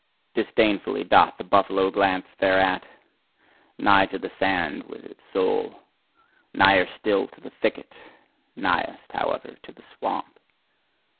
Disdainfully doth the buffalo glance thereat, nigh to the sand with its soul, nigher still to the thicket, nighest, however, to the swamp.